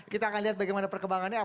kita akan lihat bagaimana perkembangannya